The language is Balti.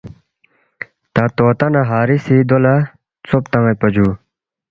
تا نہ طوطا نہ ہاری سی دو لہ ژوب تان٘یدپا جُو